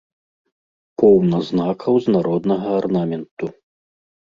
Поўна знакаў з народнага арнаменту.